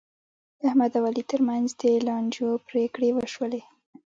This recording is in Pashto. د احمد او علي ترمنځ د لانجو پرېکړې وشولې.